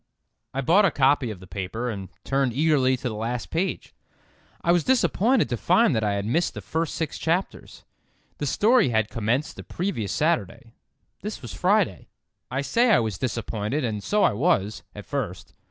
I bought a copy of the paper, and turned eagerly to the last page. I was disappointed to find that I had missed the first six chapters. The story had commenced the previous Saturday; this was Friday. I say I was disappointed and so I was, at first.